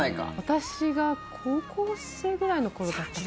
私が高校生ぐらいの頃だったかな。